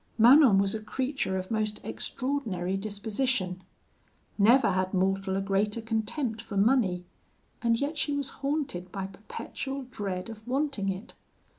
"Manon was a creature of most extraordinary disposition. Never had mortal a greater contempt for money, and yet she was haunted by perpetual dread of wanting it.